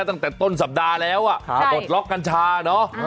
ตั้งแต่ต้นสัปดาห์แล้วปลดล็อกกัญชาเนอะ